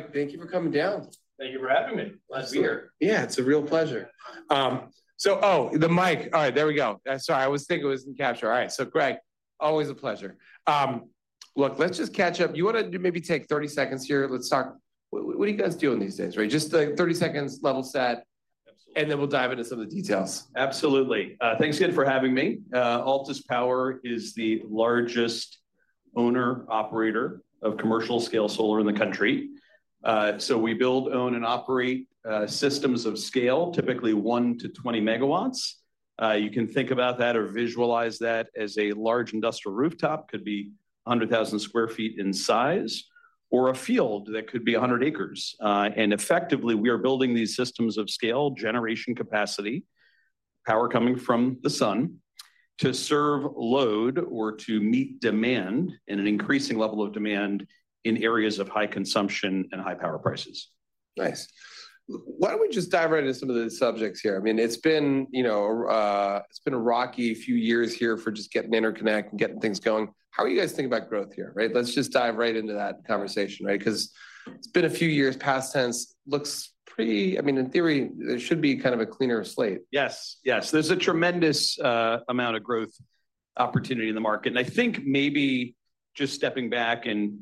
Gregg, thank you for coming down. Thank you for having me. Glad to be here. Yeah, it's a real pleasure. So, oh, the mic. All right, there we go. Sorry, I was thinking it was in capture. All right, so Gregg, always a pleasure. Look, let's just catch up. You want to maybe take 30 seconds here? Let's talk. What are you guys doing these days? Right? Just 30 seconds, level set. Absolutely. And then we'll dive into some of the details. Absolutely. Thanks again for having me. Altus Power is the largest owner-operator of commercial-scale solar in the country, so we build, own, and operate systems of scale, typically one to 20 MW. You can think about that or visualize that as a large industrial rooftop. It could be 100,000 sq ft in size, or a field that could be 100 acres, and effectively, we are building these systems of scale, generation capacity, power coming from the sun, to serve load or to meet demand and an increasing level of demand in areas of high consumption and high power prices. Nice. Why don't we just dive right into some of the subjects here? I mean, it's been a rocky few years here for just getting interconnection and getting things going. How are you guys thinking about growth here? Right? Let's just dive right into that conversation, right? Because it's been a few years. Past tense looks pretty, I mean, in theory, there should be kind of a cleaner slate. Yes, yes. There's a tremendous amount of growth opportunity in the market, and I think maybe just stepping back and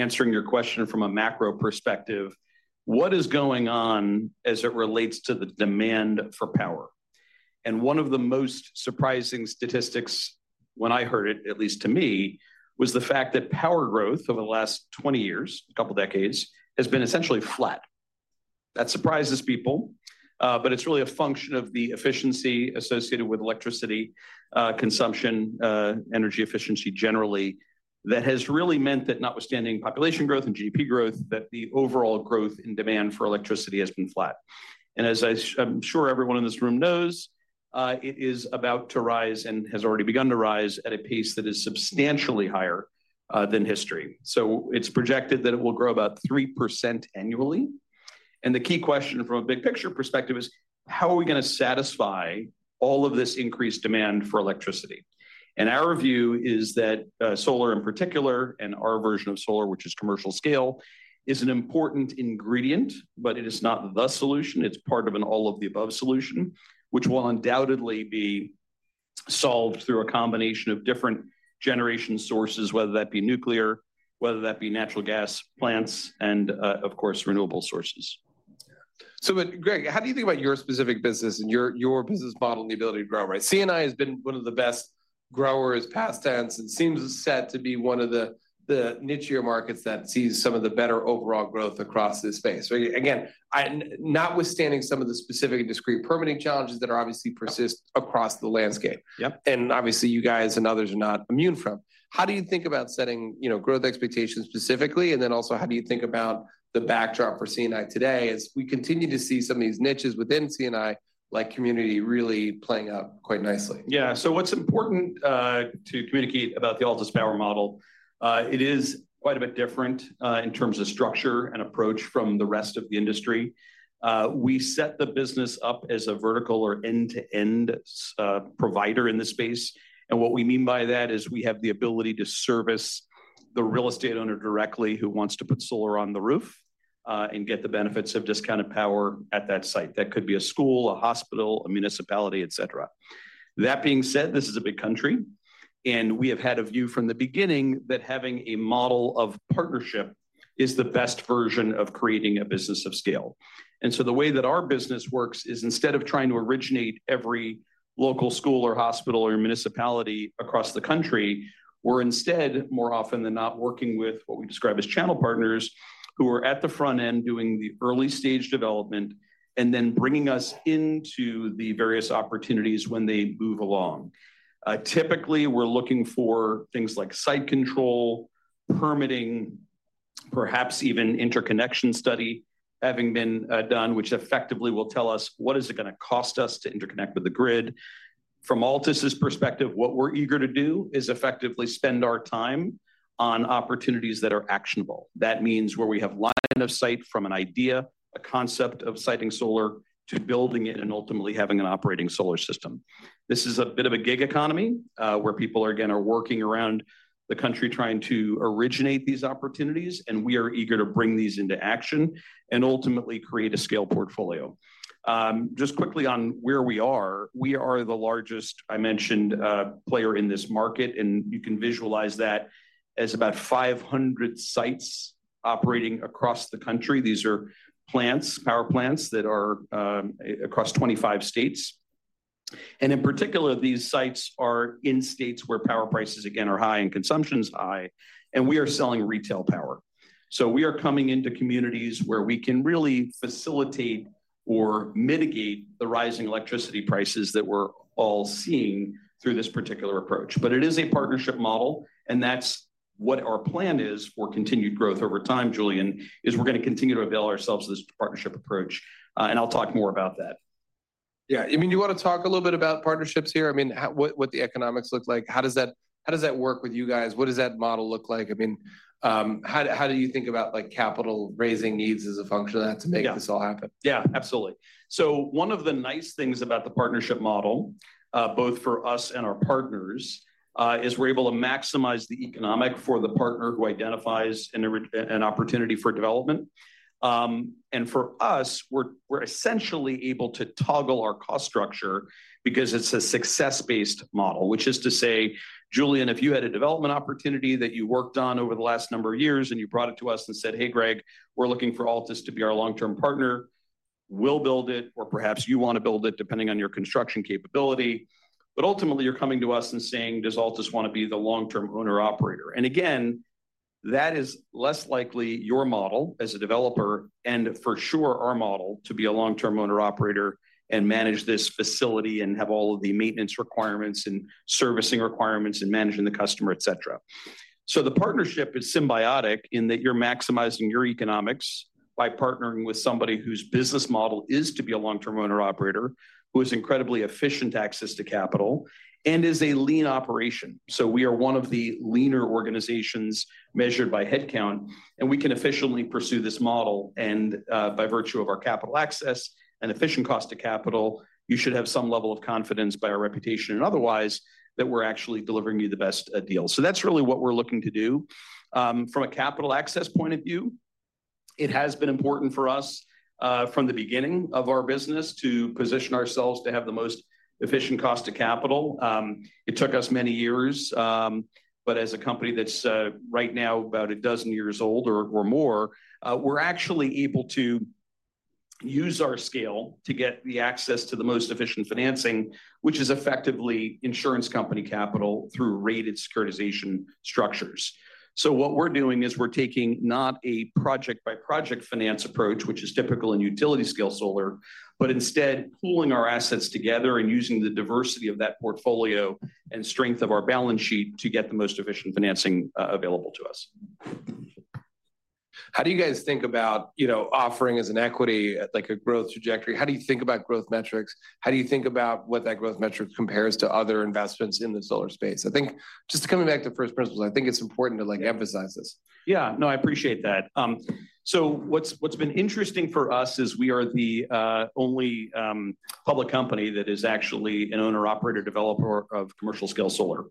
answering your question from a macro perspective, what is going on as it relates to the demand for power? And one of the most surprising statistics, when I heard it, at least to me, was the fact that power growth over the last 20 years, a couple of decades, has been essentially flat. That surprises people, but it's really a function of the efficiency associated with electricity consumption, energy efficiency generally, that has really meant that, notwithstanding population growth and GDP growth, that the overall growth in demand for electricity has been flat, and as I'm sure everyone in this room knows, it is about to rise and has already begun to rise at a pace that is substantially higher than history. So it's projected that it will grow about 3% annually. And the key question from a big picture perspective is, how are we going to satisfy all of this increased demand for electricity? And our view is that solar in particular, and our version of solar, which is commercial scale, is an important ingredient, but it is not the solution. It's part of an all-of-the-above solution, which will undoubtedly be solved through a combination of different generation sources, whether that be nuclear, whether that be natural gas plants, and of course, renewable sources. So, Gregg, how do you think about your specific business and your business model and the ability to grow? Right? C&I has been one of the best growers past tense and seems set to be one of the niche markets that sees some of the better overall growth across this space. Again, notwithstanding some of the specific and discrete permitting challenges that obviously persist across the landscape. And obviously, you guys and others are not immune from. How do you think about setting growth expectations specifically? And then also, how do you think about the backdrop for C&I today as we continue to see some of these niches within C&I, like community, really playing up quite nicely? Yeah. So what's important to communicate about the Altus Power model, it is quite a bit different in terms of structure and approach from the rest of the industry. We set the business up as a vertical or end-to-end provider in this space. And what we mean by that is we have the ability to service the real estate owner directly who wants to put solar on the roof and get the benefits of discounted power at that site. That could be a school, a hospital, a municipality, et cetera. That being said, this is a big country. And we have had a view from the beginning that having a model of partnership is the best version of creating a business of scale. And so the way that our business works is instead of trying to originate every local school or hospital or municipality across the country, we're instead, more often than not, working with what we describe as channel partners who are at the front end doing the early stage development and then bringing us into the various opportunities when they move along. Typically, we're looking for things like site control, permitting, perhaps even interconnection study having been done, which effectively will tell us what is it going to cost us to interconnect with the grid. From Altus's perspective, what we're eager to do is effectively spend our time on opportunities that are actionable. That means where we have line of sight from an idea, a concept of siting solar to building it and ultimately having an operating solar system. This is a bit of a gig economy where people are again working around the country trying to originate these opportunities. And we are eager to bring these into action and ultimately create a scale portfolio. Just quickly on where we are, we are the largest, I mentioned, player in this market. And you can visualize that as about 500 sites operating across the country. These are plants, power plants that are across 25 states. And in particular, these sites are in states where power prices, again, are high and consumption's high. And we are selling retail power. So we are coming into communities where we can really facilitate or mitigate the rising electricity prices that we're all seeing through this particular approach. But it is a partnership model. That's what our plan is for continued growth over time, Julian. We're going to continue to avail ourselves of this partnership approach. I'll talk more about that. Yeah. I mean, do you want to talk a little bit about partnerships here? I mean, what the economics look like? How does that work with you guys? What does that model look like? I mean, how do you think about capital raising needs as a function of that to make this all happen? Yeah, absolutely. So one of the nice things about the partnership model, both for us and our partners, is we're able to maximize the economics for the partner who identifies an opportunity for development. And for us, we're essentially able to toggle our cost structure because it's a success-based model, which is to say, Julian, if you had a development opportunity that you worked on over the last number of years and you brought it to us and said, "Hey, Gregg, we're looking for Altus to be our long-term partner. We'll build it, or perhaps you want to build it depending on your construction capability." But ultimately, you're coming to us and saying, "Does Altus want to be the long-term owner-operator?" and again, that is less likely your model as a developer and for sure our model to be a long-term owner-operator and manage this facility and have all of the maintenance requirements and servicing requirements and managing the customer, et cetera. So the partnership is symbiotic in that you're maximizing your economics by partnering with somebody whose business model is to be a long-term owner-operator, who has incredibly efficient access to capital, and is a lean operation. so we are one of the leaner organizations measured by headcount. and we can efficiently pursue this model. And by virtue of our capital access and efficient cost of capital, you should have some level of confidence by our reputation and otherwise that we're actually delivering you the best deal. So that's really what we're looking to do. From a capital access point of view, it has been important for us from the beginning of our business to position ourselves to have the most efficient cost of capital. It took us many years. But as a company that's right now about a dozen years old or more, we're actually able to use our scale to get the access to the most efficient financing, which is effectively insurance company capital through rated securitization structures. So what we're doing is we're taking not a project-by-project finance approach, which is typical in utility-scale solar, but instead pooling our assets together and using the diversity of that portfolio and strength of our balance sheet to get the most efficient financing available to us. How do you guys think about offering as an equity like a growth trajectory? How do you think about growth metrics? How do you think about what that growth metric compares to other investments in the solar space? I think just coming back to first principles, I think it's important to emphasize this. Yeah. No, I appreciate that. So what's been interesting for us is we are the only public company that is actually an owner-operator developer of commercial-scale solar.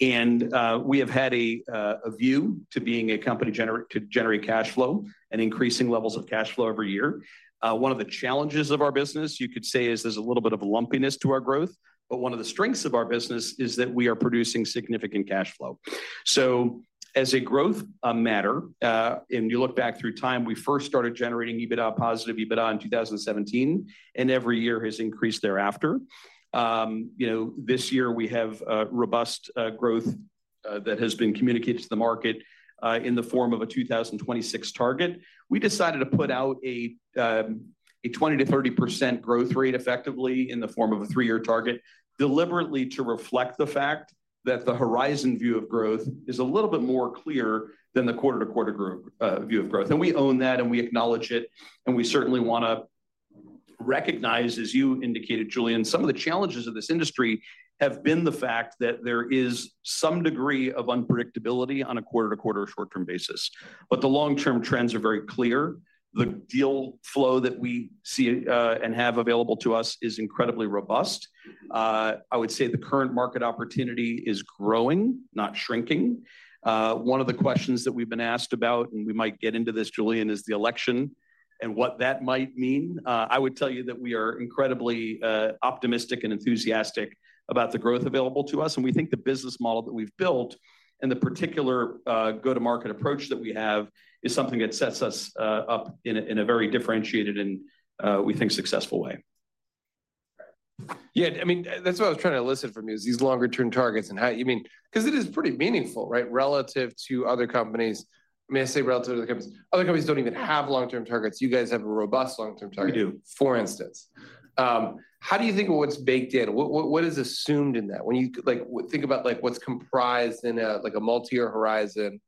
And we have had a view to being a company to generate cash flow and increasing levels of cash flow every year. One of the challenges of our business, you could say, is there's a little bit of a lumpiness to our growth. But one of the strengths of our business is that we are producing significant cash flow. So as a growth matter, and you look back through time, we first started generating EBITDA-positive EBITDA in 2017, and every year has increased thereafter. This year, we have robust growth that has been communicated to the market in the form of a 2026 target. We decided to put out a 20%-30% growth rate effectively in the form of a three-year target, deliberately to reflect the fact that the horizon view of growth is a little bit more clear than the quarter-to-quarter view of growth. And we own that, and we acknowledge it. And we certainly want to recognize, as you indicated, Julian, some of the challenges of this industry have been the fact that there is some degree of unpredictability on a quarter-to-quarter or short-term basis. But the long-term trends are very clear. The deal flow that we see and have available to us is incredibly robust. I would say the current market opportunity is growing, not shrinking. One of the questions that we've been asked about, and we might get into this, Julian, is the election and what that might mean. I would tell you that we are incredibly optimistic and enthusiastic about the growth available to us, and we think the business model that we've built and the particular go-to-market approach that we have is something that sets us up in a very differentiated and we think successful way. Yeah. I mean, that's what I was trying to elicit from you, is these longer-term targets and how you mean, because it is pretty meaningful, right? relative to other companies. I mean, I say relative to other companies, other companies don't even have long-term targets. You guys have a robust long-term target. We do. For instance, how do you think of what's baked in? What is assumed in that? When you think about what's comprised in a multi-year horizon,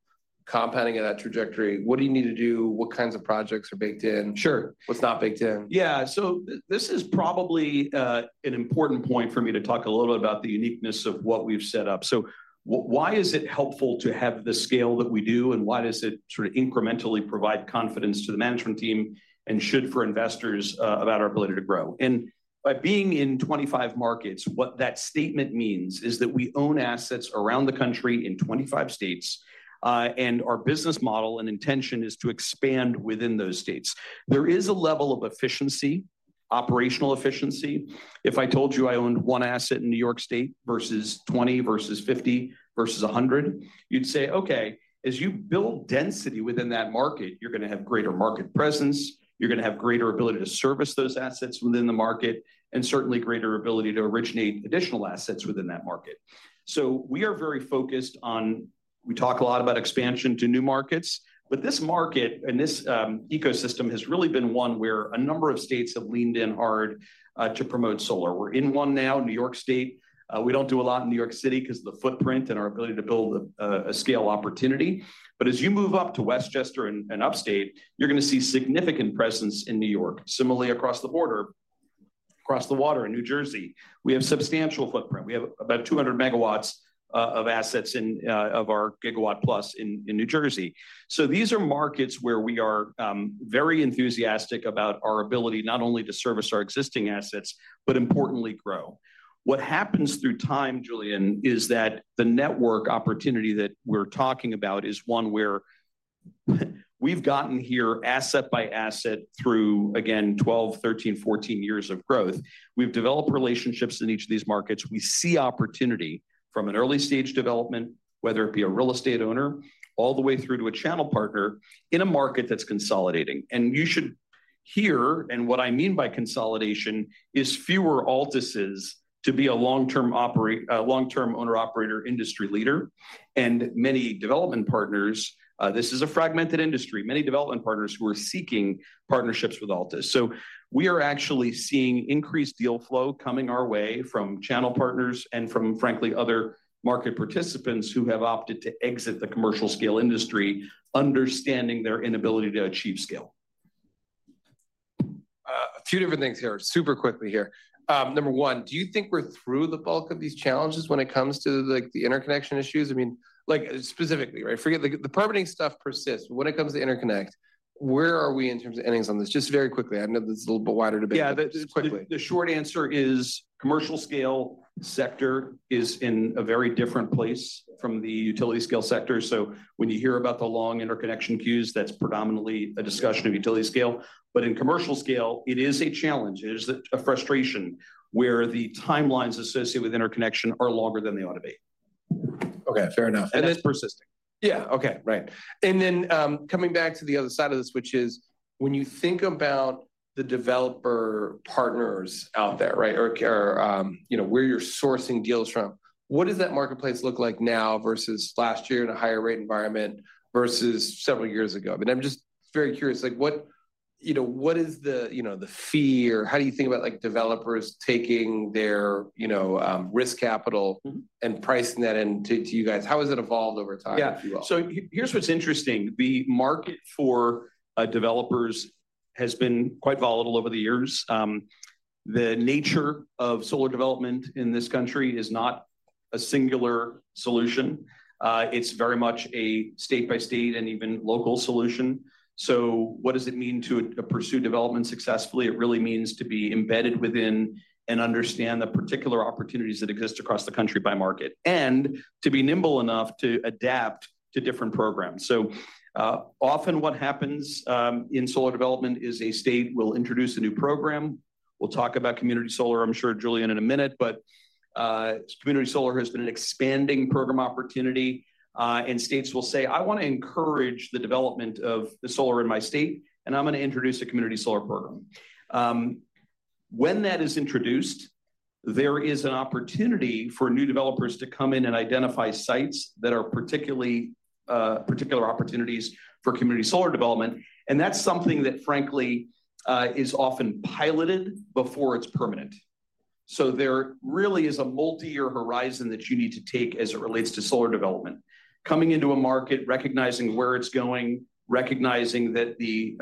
compounding of that trajectory, what do you need to do? What kinds of projects are baked in? Sure. What's not baked in? Yeah, so this is probably an important point for me to talk a little bit about the uniqueness of what we've set up, so why is it helpful to have the scale that we do, and why does it sort of incrementally provide confidence to the management team and should for investors about our ability to grow, and by being in 25 markets, what that statement means is that we own assets around the country in 25 states, and our business model and intention is to expand within those states. There is a level of efficiency, operational efficiency. If I told you I owned one asset in New York State versus 20 versus 50 versus 100, you'd say, "Okay, as you build density within that market, you're going to have greater market presence. You're going to have greater ability to service those assets within the market, and certainly greater ability to originate additional assets within that market." So we are very focused on, we talk a lot about expansion to new markets. But this market and this ecosystem has really been one where a number of states have leaned in hard to promote solar. We're in one now, New York State. We don't do a lot in New York City because of the footprint and our ability to build a scale opportunity. But as you move up to Westchester and upstate, you're going to see significant presence in New York. Similarly, across the border, across the water in New Jersey, we have substantial footprint. We have about 200 MW of assets and of our gigawatt plus in New Jersey. So these are markets where we are very enthusiastic about our ability not only to service our existing assets, but importantly, grow. What happens through time, Julian, is that the network opportunity that we're talking about is one where we've gotten here asset by asset through, again, 12, 13, 14 years of growth. We've developed relationships in each of these markets. We see opportunity from an early stage development, whether it be a real estate owner, all the way through to a channel partner in a market that's consolidating. And you should hear, and what I mean by consolidation is fewer Altuses to be a long-term owner-operator industry leader. And many development partners, this is a fragmented industry, many development partners who are seeking partnerships with Altus. We are actually seeing increased deal flow coming our way from channel partners and from, frankly, other market participants who have opted to exit the commercial-scale industry, understanding their inability to achieve scale. A few different things here, super quickly here. Number one, do you think we're through the bulk of these challenges when it comes to the interconnection issues? I mean, specifically, right? Forget the permitting stuff. It persists. When it comes to interconnection, where are we in terms of headwinds on this? Just very quickly. I know this is a little bit wider to be. Yeah, the short answer is commercial-scale sector is in a very different place from the utility-scale sector. So when you hear about the long interconnection queues, that's predominantly a discussion of utility-scale. But in commercial-scale, it is a challenge. It is a frustration where the timelines associated with interconnection are longer than they ought to be. Okay. Fair enough. It's persisting. Yeah. Okay. Right. And then coming back to the other side of this, which is when you think about the developer partners out there, right, or where you're sourcing deals from, what does that marketplace look like now versus last year in a higher rate environment versus several years ago? I mean, I'm just very curious. What is the fee or how do you think about developers taking their risk capital and pricing that into you guys? How has it evolved over time? Yeah, so here's what's interesting. The market for developers has been quite volatile over the years. The nature of solar development in this country is not a singular solution. It's very much a state-by-state and even local solution. So what does it mean to pursue development successfully? It really means to be embedded within and understand the particular opportunities that exist across the country by market and to be nimble enough to adapt to different programs. So often what happens in solar development is a state will introduce a new program. We'll talk about community solar, I'm sure, Julian, in a minute, but community solar has been an expanding program opportunity. And states will say, "I want to encourage the development of the solar in my state, and I'm going to introduce a community solar program." When that is introduced, there is an opportunity for new developers to come in and identify sites that are particular opportunities for community solar development. And that's something that, frankly, is often piloted before it's permanent. So there really is a multi-year horizon that you need to take as it relates to solar development. Coming into a market, recognizing where it's going, recognizing that the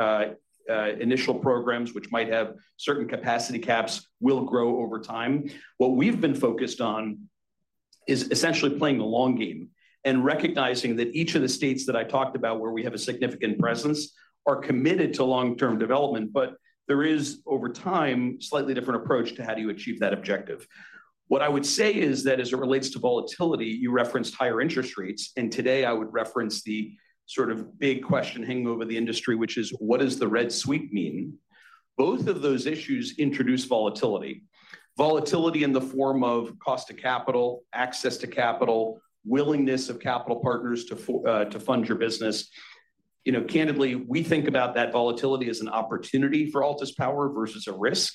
initial programs, which might have certain capacity caps, will grow over time. What we've been focused on is essentially playing the long game and recognizing that each of the states that I talked about where we have a significant presence are committed to long-term development. But there is, over time, a slightly different approach to how do you achieve that objective. What I would say is that as it relates to volatility, you referenced higher interest rates. And today, I would reference the sort of big question hanging over the industry, which is, what does the red sweep mean? Both of those issues introduce volatility. Volatility in the form of cost of capital, access to capital, willingness of capital partners to fund your business. Candidly, we think about that volatility as an opportunity for Altus Power versus a risk.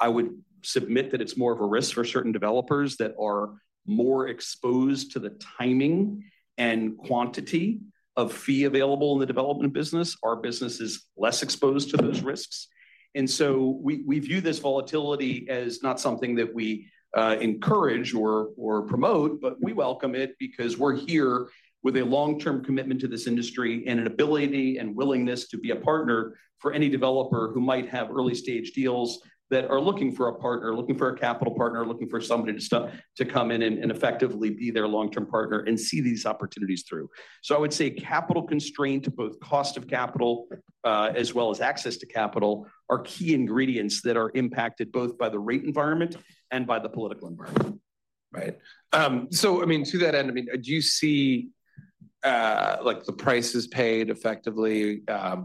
I would submit that it's more of a risk for certain developers that are more exposed to the timing and quantity of fee available in the development business. Our business is less exposed to those risks. And so we view this volatility as not something that we encourage or promote, but we welcome it because we're here with a long-term commitment to this industry and an ability and willingness to be a partner for any developer who might have early-stage deals that are looking for a partner, looking for a capital partner, looking for somebody to come in and effectively be their long-term partner and see these opportunities through. So I would say capital constraint, both cost of capital as well as access to capital, are key ingredients that are impacted both by the rate environment and by the political environment. Right. So I mean, to that end, I mean, do you see the price is paid effectively? I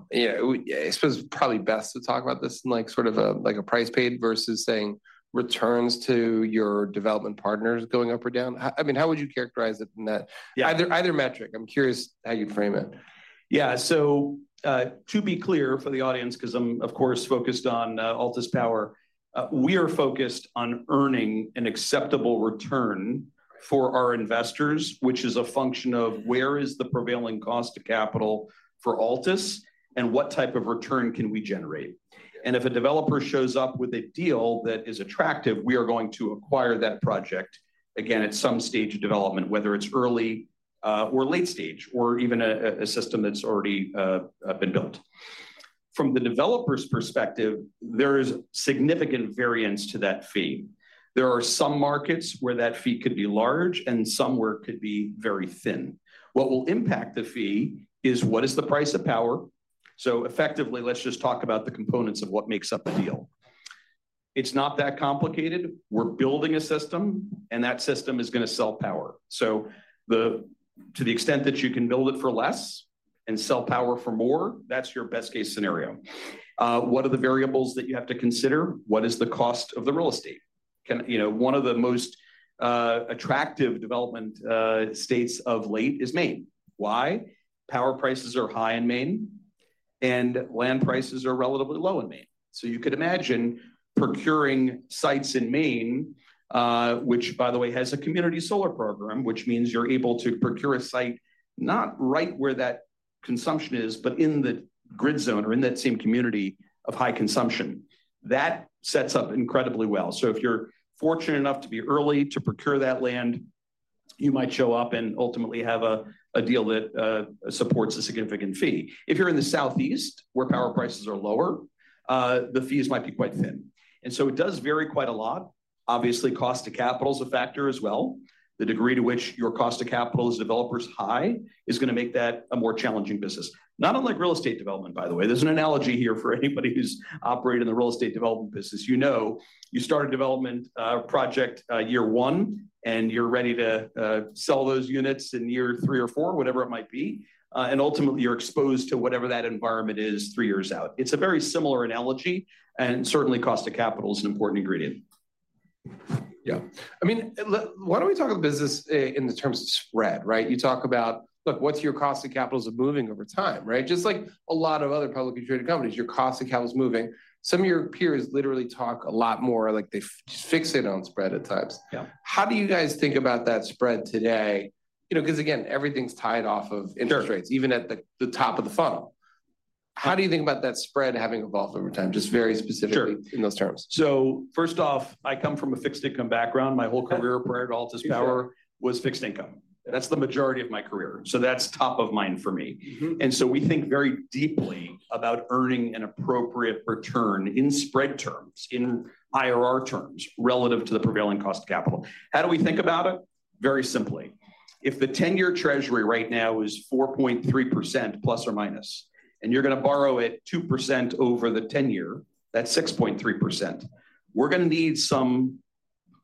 suppose it's probably best to talk about this in sort of a price paid versus saying returns to your development partners going up or down. I mean, how would you characterize it in that? Either metric, I'm curious how you'd frame it. Yeah. So to be clear for the audience, because I'm, of course, focused on Altus Power, we are focused on earning an acceptable return for our investors, which is a function of where is the prevailing cost of capital for Altus and what type of return can we generate. And if a developer shows up with a deal that is attractive, we are going to acquire that project again at some stage of development, whether it's early or late stage or even a system that's already been built. From the developer's perspective, there is significant variance to that fee. There are some markets where that fee could be large and some where it could be very thin. What will impact the fee is what is the price of power? So effectively, let's just talk about the components of what makes up a deal. It's not that complicated. We're building a system, and that system is going to sell power. So to the extent that you can build it for less and sell power for more, that's your best-case scenario. What are the variables that you have to consider? What is the cost of the real estate? One of the most attractive development states of late is Maine. Why? Power prices are high in Maine, and land prices are relatively low in Maine. So you could imagine procuring sites in Maine, which, by the way, has a community solar program, which means you're able to procure a site not right where that consumption is, but in the grid zone or in that same community of high consumption. That sets up incredibly well. So if you're fortunate enough to be early to procure that land, you might show up and ultimately have a deal that supports a significant fee. If you're in the Southeast where power prices are lower, the fees might be quite thin, and so it does vary quite a lot. Obviously, cost of capital is a factor as well. The degree to which your cost of capital is developers high is going to make that a more challenging business. Not unlike real estate development, by the way. There's an analogy here for anybody who's operating in the real estate development business. You know you start a development project year one, and you're ready to sell those units in year three or four, whatever it might be, and ultimately, you're exposed to whatever that environment is three years out. It's a very similar analogy, and certainly, cost of capital is an important ingredient. Yeah. I mean, why don't we talk about business in the terms of spread, right? You talk about, look, what's your cost of capital moving over time, right? Just like a lot of other publicly traded companies, your cost of capital is moving. Some of your peers literally talk a lot more. They fixate on spread at times. How do you guys think about that spread today? Because again, everything's tied off of interest rates, even at the top of the funnel. How do you think about that spread having evolved over time, just very specifically in those terms? So first off, I come from a fixed income background. My whole career prior to Altus Power was fixed income. That's the majority of my career. So that's top of mind for me. And so we think very deeply about earning an appropriate return in spread terms, in IRR terms relative to the prevailing cost of capital. How do we think about it? Very simply. If the 10-year Treasury right now is 4.3% plus or minus, and you're going to borrow it 2% over the 10 year, that's 6.3%. We're going to need a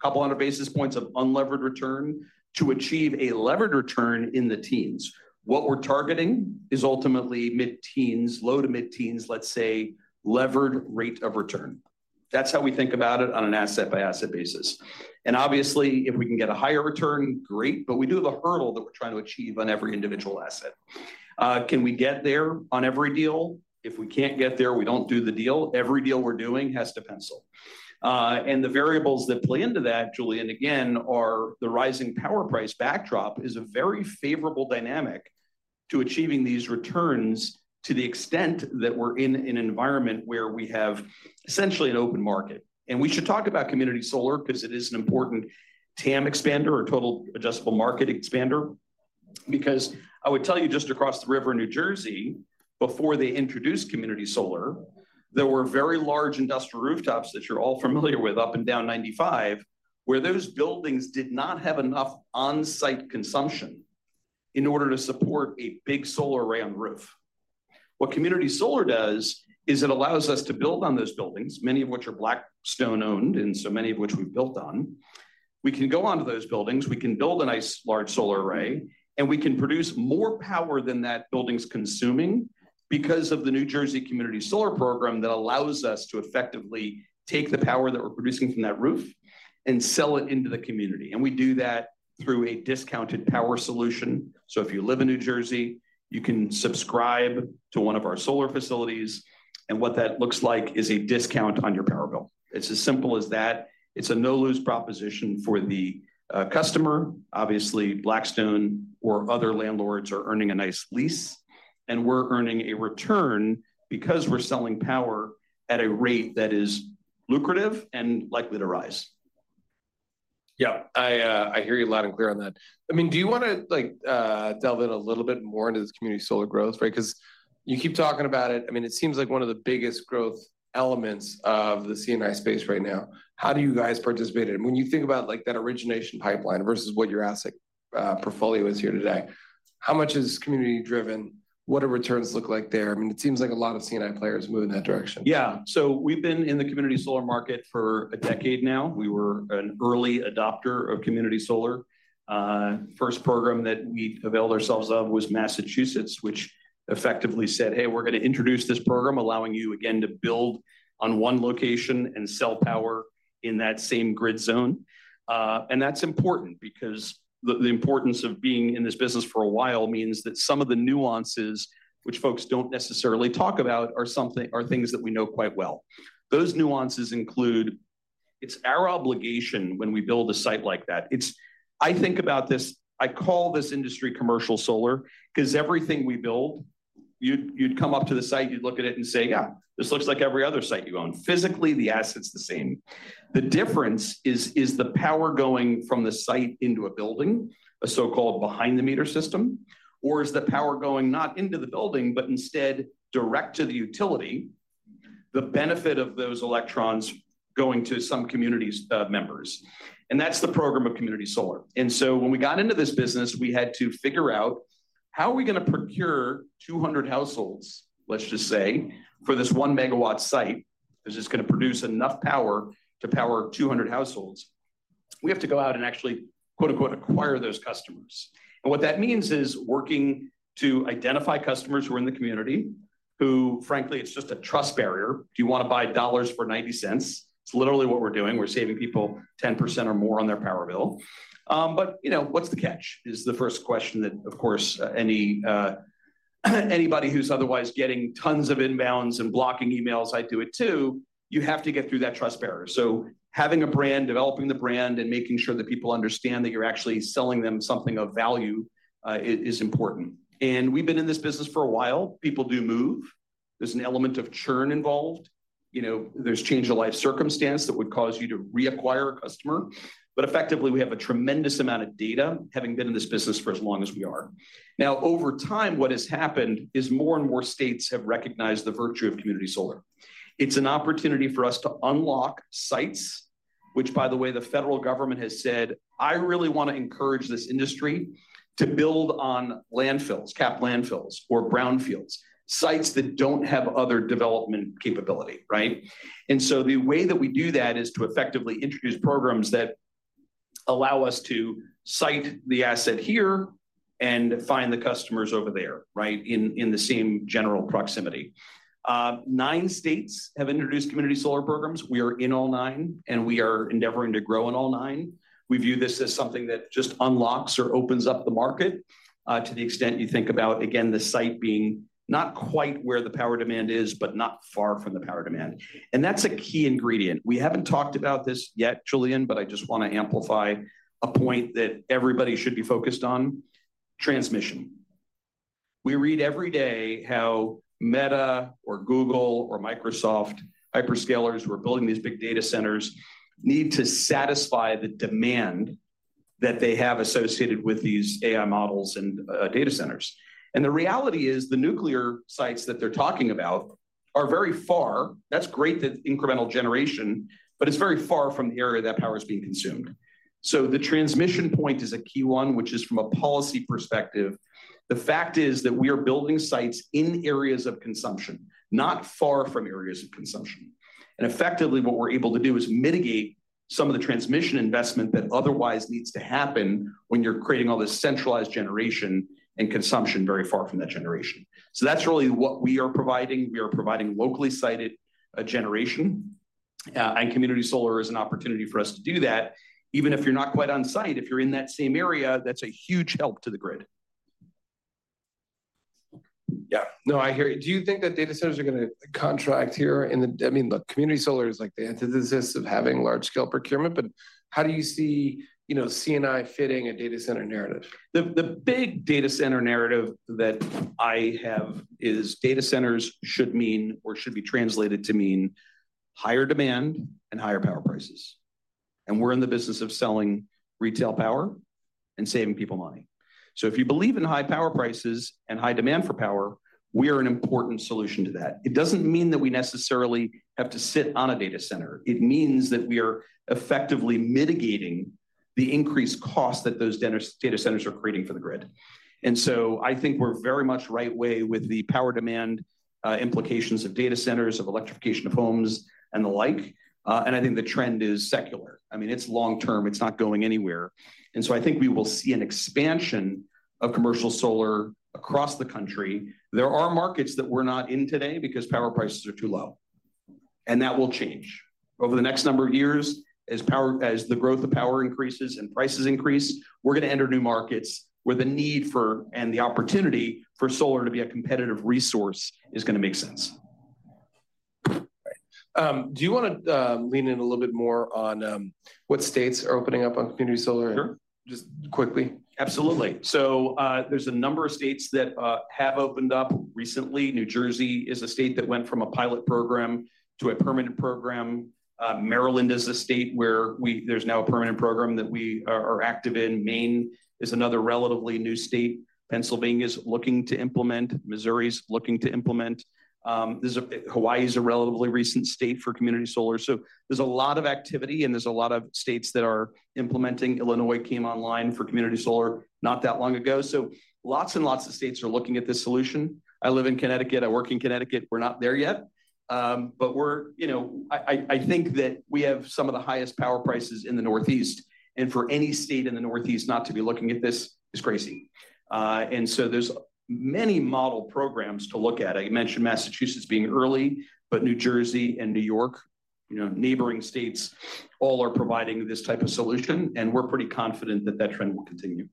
couple hundred basis points of unlevered return to achieve a levered return in the teens. What we're targeting is ultimately mid-teens, low to mid-teens, let's say, levered rate of return. That's how we think about it on an asset-by-asset basis. And obviously, if we can get a higher return, great. But we do have a hurdle that we're trying to achieve on every individual asset. Can we get there on every deal? If we can't get there, we don't do the deal. Every deal we're doing has to pencil. And the variables that play into that, Julian, again, are the rising power price backdrop is a very favorable dynamic to achieving these returns to the extent that we're in an environment where we have essentially an open market. And we should talk about community solar because it is an important TAM expander or total addressable market expander. Because I would tell you just across the river in New Jersey, before they introduced community solar, there were very large industrial rooftops that you're all familiar with, up and down 95, where those buildings did not have enough on-site consumption in order to support a big solar array on the roof. What community solar does is it allows us to build on those buildings, many of which are Blackstone-owned and so many of which we've built on. We can go on to those buildings. We can build a nice large solar array, and we can produce more power than that building's consuming because of the New Jersey community solar program that allows us to effectively take the power that we're producing from that roof and sell it into the community. And we do that through a discounted power solution. So if you live in New Jersey, you can subscribe to one of our solar facilities, and what that looks like is a discount on your power bill. It's as simple as that. It's a no-lose proposition for the customer. Obviously, Blackstone or other landlords are earning a nice lease, and we're earning a return because we're selling power at a rate that is lucrative and likely to rise. Yeah. I hear you loud and clear on that. I mean, do you want to delve in a little bit more into the community solar growth, right? Because you keep talking about it. I mean, it seems like one of the biggest growth elements of the C&I space right now. How do you guys participate in it? When you think about that origination pipeline versus what your asset portfolio is here today, how much is community-driven? What do returns look like there? I mean, it seems like a lot of C&I players move in that direction. Yeah. So we've been in the community solar market for a decade now. We were an early adopter of community solar. First program that we availed ourselves of was Massachusetts, which effectively said, "Hey, we're going to introduce this program, allowing you, again, to build on one location and sell power in that same grid zone." And that's important because the importance of being in this business for a while means that some of the nuances, which folks don't necessarily talk about, are things that we know quite well. Those nuances include it's our obligation when we build a site like that. I think about this. I call this industry commercial solar because everything we build, you'd come up to the site, you'd look at it and say, "Yeah, this looks like every other site you own." Physically, the asset's the same. The difference is the power going from the site into a building, a so-called behind-the-meter system, or is the power going not into the building, but instead direct to the utility, the benefit of those electrons going to some community's members, and that's the program of community solar, and so when we got into this business, we had to figure out how are we going to procure 200 households, let's just say, for this one megawatt site that's just going to produce enough power to power 200 households? We have to go out and actually "acquire" those customers, and what that means is working to identify customers who are in the community who, frankly, it's just a trust barrier. Do you want to buy dollars for 90 cents? It's literally what we're doing. We're saving people 10% or more on their power bill, but what's the catch? Is the first question that, of course, anybody who's otherwise getting tons of inbounds and blocking emails. I do it too. You have to get through that trust barrier. So having a brand, developing the brand, and making sure that people understand that you're actually selling them something of value is important. And we've been in this business for a while. People do move. There's an element of churn involved. There's change of life circumstance that would cause you to reacquire a customer. But effectively, we have a tremendous amount of data, having been in this business for as long as we are. Now, over time, what has happened is more and more states have recognized the virtue of community solar. It's an opportunity for us to unlock sites, which, by the way, the federal government has said, "I really want to encourage this industry to build on landfills, capped landfills, or brownfields, sites that don't have other development capability," right? And so the way that we do that is to effectively introduce programs that allow us to site the asset here and find the customers over there, right, in the same general proximity. Nine states have introduced community solar programs. We are in all nine, and we are endeavoring to grow in all nine. We view this as something that just unlocks or opens up the market to the extent you think about, again, the site being not quite where the power demand is, but not far from the power demand, and that's a key ingredient. We haven't talked about this yet, Julian, but I just want to amplify a point that everybody should be focused on: transmission. We read every day how Meta, Google, or Microsoft hyperscalers who are building these big data centers need to satisfy the demand that they have associated with these AI models and data centers, and the reality is the nuclear sites that they're talking about are very far. That's great, that incremental generation, but it's very far from the area that power is being consumed, so the transmission point is a key one, which is from a policy perspective. The fact is that we are building sites in areas of consumption, not far from areas of consumption. Effectively, what we're able to do is mitigate some of the transmission investment that otherwise needs to happen when you're creating all this centralized generation and consumption very far from that generation. So that's really what we are providing. We are providing locally sited generation, and community solar is an opportunity for us to do that. Even if you're not quite on site, if you're in that same area, that's a huge help to the grid. Yeah. No, I hear you. Do you think that data centers are going to contract here? I mean, look, community solar is like the antithesis of having large-scale procurement, but how do you see C&I fitting a data center narrative? The big data center narrative that I have is data centers should mean, or should be translated to mean, higher demand and higher power prices. And we're in the business of selling retail power and saving people money. So if you believe in high power prices and high demand for power, we are an important solution to that. It doesn't mean that we necessarily have to sit on a data center. It means that we are effectively mitigating the increased cost that those data centers are creating for the grid. And so I think we're very much right way with the power demand implications of data centers, of electrification of homes, and the like. And I think the trend is secular. I mean, it's long-term. It's not going anywhere. And so I think we will see an expansion of commercial solar across the country. There are markets that we're not in today because power prices are too low, and that will change over the next number of years as the growth of power increases and prices increase. We're going to enter new markets where the need for and the opportunity for solar to be a competitive resource is going to make sense. Do you want to lean in a little bit more on what states are opening up on community solar just quickly? Absolutely. So there's a number of states that have opened up recently. New Jersey is a state that went from a pilot program to a permanent program. Maryland is a state where there's now a permanent program that we are active in. Maine is another relatively new state. Pennsylvania is looking to implement. Missouri is looking to implement. Hawaii is a relatively recent state for community solar. So there's a lot of activity, and there's a lot of states that are implementing. Illinois came online for community solar not that long ago. So lots and lots of states are looking at this solution. I live in Connecticut. I work in Connecticut. We're not there yet. But I think that we have some of the highest power prices in the Northeast. And for any state in the Northeast not to be looking at this is crazy. There's many model programs to look at. I mentioned Massachusetts being early, but New Jersey and New York, neighboring states, all are providing this type of solution. We're pretty confident that that trend will continue.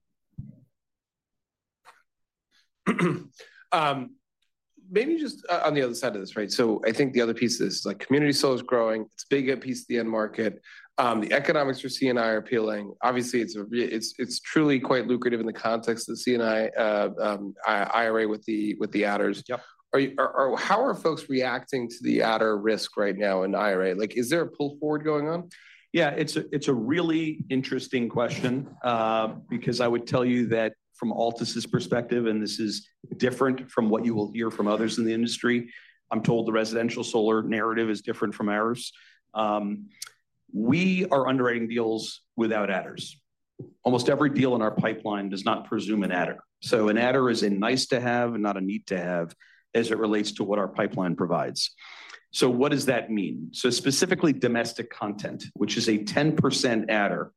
Maybe just on the other side of this, right? So I think the other piece of this is community solar is growing. It's a big piece of the end market. The economics for C&I are appealing. Obviously, it's truly quite lucrative in the context of the C&I IRA with the adders. How are folks reacting to the adder risk right now in IRA? Is there a pull forward going on? Yeah. It's a really interesting question because I would tell you that from Altus's perspective, and this is different from what you will hear from others in the industry. I'm told the residential solar narrative is different from ours. We are underwriting deals without adders. Almost every deal in our pipeline does not presume an adder, so an adder is a nice-to-have and not a need-to-have as it relates to what our pipeline provides, so what does that mean, so specifically domestic content, which is a 10% adder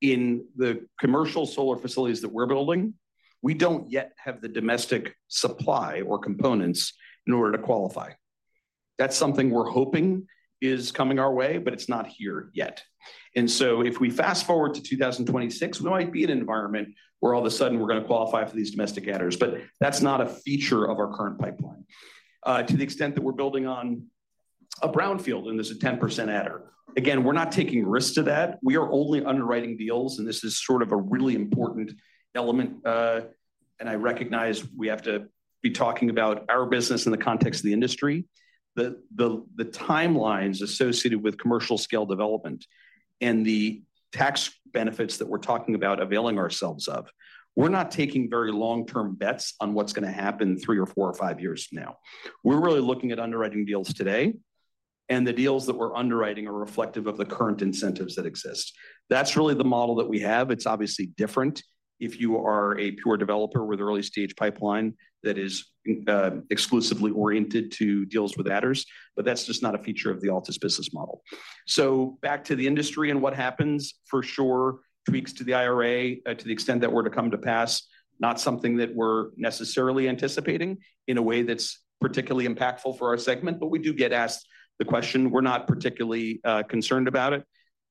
in the commercial solar facilities that we're building, we don't yet have the domestic supply or components in order to qualify. That's something we're hoping is coming our way, but it's not here yet, and so if we fast forward to 2026, we might be in an environment where all of a sudden we're going to qualify for these domestic adders. But that's not a feature of our current pipeline to the extent that we're building on a brownfield and there's a 10% adder. Again, we're not taking risks to that. We are only underwriting deals, and this is sort of a really important element. And I recognize we have to be talking about our business in the context of the industry, the timelines associated with commercial-scale development, and the tax benefits that we're talking about availing ourselves of. We're not taking very long-term bets on what's going to happen three or four or five years from now. We're really looking at underwriting deals today, and the deals that we're underwriting are reflective of the current incentives that exist. That's really the model that we have. It's obviously different if you are a pure developer with an early-stage pipeline that is exclusively oriented to deals with adders, but that's just not a feature of the Altus business model. So back to the industry and what happens, for sure, tweaks to the IRA to the extent that were to come to pass, not something that we're necessarily anticipating in a way that's particularly impactful for our segment, but we do get asked the question. We're not particularly concerned about it,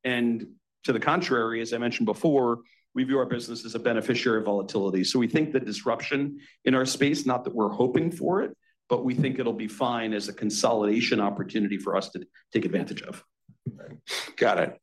and to the contrary, as I mentioned before, we view our business as a beneficiary of volatility, so we think the disruption in our space, not that we're hoping for it, but we think it'll be fine as a consolidation opportunity for us to take advantage of. Got it.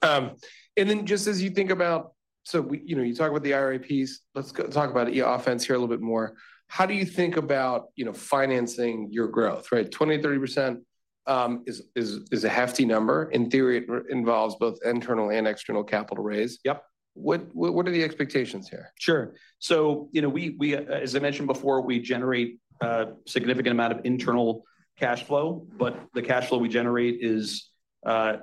And then just as you think about, so you talk about the IRA piece, let's talk about the offense here a little bit more. How do you think about financing your growth, right? 20%-30% is a hefty number. In theory, it involves both internal and external capital raise. Yep. What are the expectations here? Sure, so as I mentioned before, we generate a significant amount of internal cash flow, but the cash flow we generate is we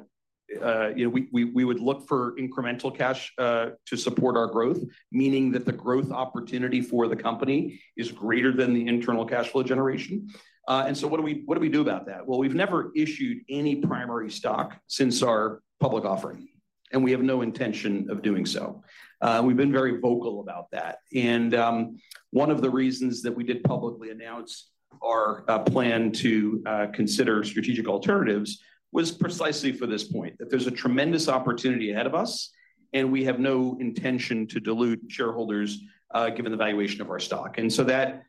would look for incremental cash to support our growth, meaning that the growth opportunity for the company is greater than the internal cash flow generation, and so what do we do about that? well, we've never issued any primary stock since our public offering, and we have no intention of doing so. We've been very vocal about that, and one of the reasons that we did publicly announce our plan to consider strategic alternatives was precisely for this point, that there's a tremendous opportunity ahead of us, and we have no intention to dilute shareholders given the valuation of our stock. And so that,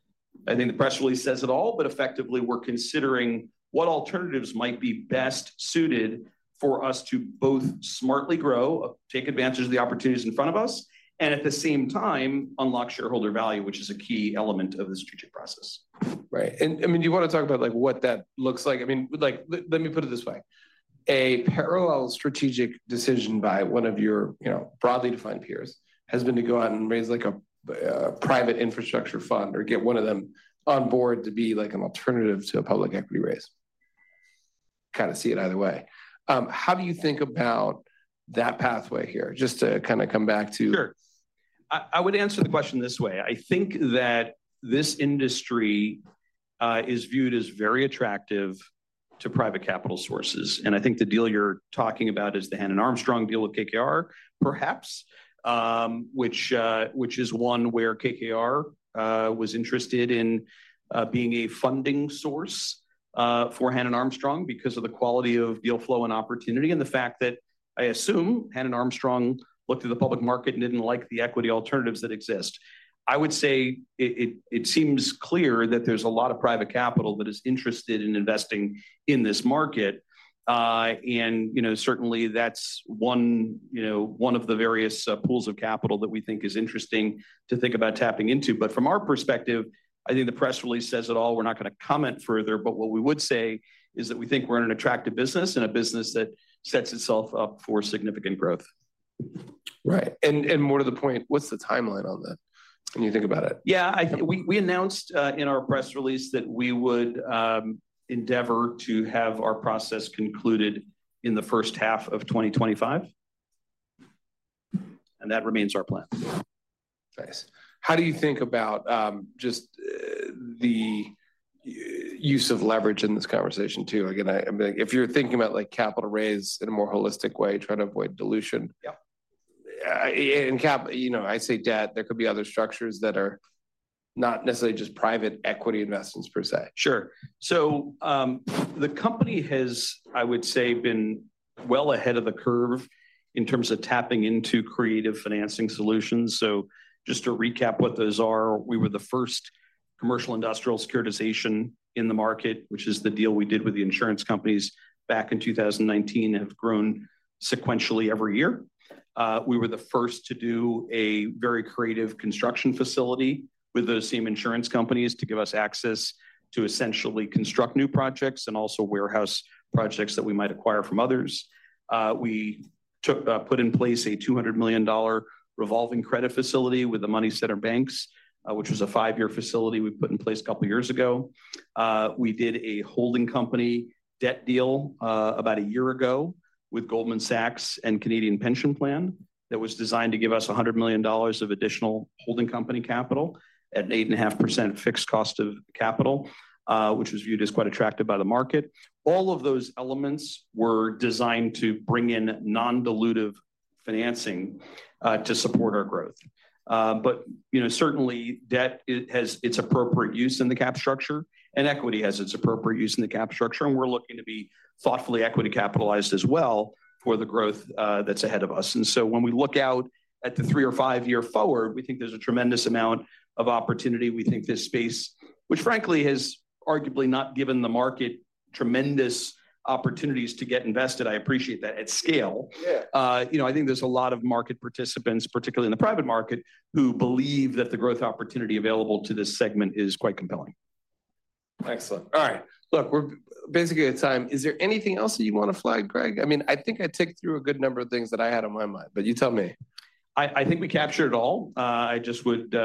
I think the press release says it all, but effectively we're considering what alternatives might be best suited for us to both smartly grow, take advantage of the opportunities in front of us, and at the same time unlock shareholder value, which is a key element of the strategic process. Right. And I mean, do you want to talk about what that looks like? I mean, let me put it this way. A parallel strategic decision by one of your broadly defined peers has been to go out and raise a private infrastructure fund or get one of them on board to be an alternative to a public equity raise. Kind of see it either way. How do you think about that pathway here? Just to kind of come back to. Sure. I would answer the question this way. I think that this industry is viewed as very attractive to private capital sources. And I think the deal you're talking about is the Hannon Armstrong deal with KKR, perhaps, which is one where KKR was interested in being a funding source for Hannon Armstrong because of the quality of deal flow and opportunity and the fact that I assume Hannon Armstrong looked at the public market and didn't like the equity alternatives that exist. I would say it seems clear that there's a lot of private capital that is interested in investing in this market. And certainly that's one of the various pools of capital that we think is interesting to think about tapping into. But from our perspective, I think the press release says it all. We're not going to comment further, but what we would say is that we think we're in an attractive business and a business that sets itself up for significant growth. Right. And more to the point, what's the timeline on that? And you think about it. Yeah. We announced in our press release that we would endeavor to have our process concluded in the first half of 2025, and that remains our plan. Nice. How do you think about just the use of leverage in this conversation too? Again, if you're thinking about capital raise in a more holistic way, trying to avoid dilution. Yep. I say debt, there could be other structures that are not necessarily just private equity investments per se. Sure, so the company has, I would say, been well ahead of the curve in terms of tapping into creative financing solutions, so just to recap what those are, we were the first commercial industrial securitization in the market, which is the deal we did with the insurance companies back in 2019, have grown sequentially every year. We were the first to do a very creative construction facility with those same insurance companies to give us access to essentially construct new projects and also warehouse projects that we might acquire from others. We put in place a $200 million revolving credit facility with the money center banks, which was a five-year facility we put in place a couple of years ago. We did a holding company debt deal about a year ago with Goldman Sachs and Canadian Pension Plan that was designed to give us $100 million of additional holding company capital at an 8.5% fixed cost of capital, which was viewed as quite attractive by the market. All of those elements were designed to bring in non-dilutive financing to support our growth. But certainly debt has its appropriate use in the cap structure, and equity has its appropriate use in the cap structure. And we're looking to be thoughtfully equity capitalized as well for the growth that's ahead of us. And so when we look out at the three or five years forward, we think there's a tremendous amount of opportunity. We think this space, which frankly has arguably not given the market tremendous opportunities to get invested. I appreciate that at scale. I think there's a lot of market participants, particularly in the private market, who believe that the growth opportunity available to this segment is quite compelling. Excellent. All right. Look, we're basically at time. Is there anything else that you want to flag, Gregg? I mean, I think I took through a good number of things that I had on my mind, but you tell me. I think we captured it all. I just would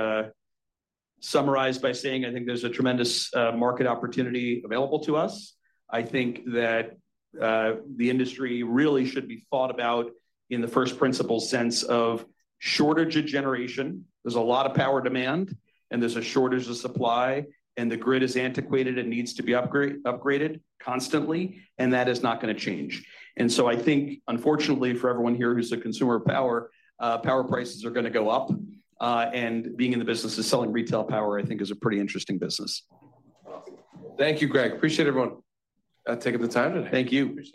summarize by saying I think there's a tremendous market opportunity available to us. I think that the industry really should be thought about in the first principle sense of shortage of generation. There's a lot of power demand, and there's a shortage of supply, and the grid is antiquated. It needs to be upgraded constantly, and that is not going to change. And so I think, unfortunately for everyone here who's a consumer of power, power prices are going to go up. And being in the business of selling retail power, I think, is a pretty interesting business. Awesome. Thank you, Greg. Appreciate everyone taking the time today. Thank you.